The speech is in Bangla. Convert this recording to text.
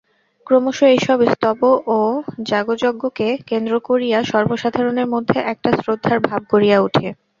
ক্রমশ এইসব স্তব ও যাগযজ্ঞকে কেন্দ্র করিয়া সর্বসাধারণের মধ্যে একটা শ্রদ্ধার ভাব গড়িয়া উঠে।